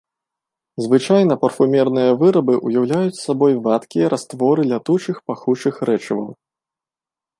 Звычайна парфумерныя вырабы ўяўляюць сабой вадкія растворы лятучых пахучых рэчываў.